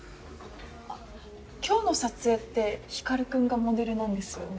あっ今日の撮影って光君がモデルなんですよね？